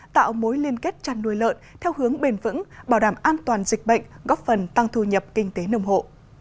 tạo mối liên kết chăn nuôi lợn theo hướng bền vững bảo đảm an toàn dịch bệnh góp phần tăng thu nhập kinh tế nông hộ